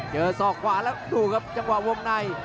เจอสอบขวาแล้วก็ดูครับจังหวะวมใน